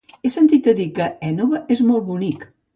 He sentit a dir que l'Énova és molt bonic.